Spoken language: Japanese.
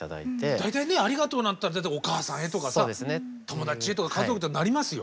大体ねありがとうなんて言ったらお母さんへとかさ友達へとか家族へとかなりますよ。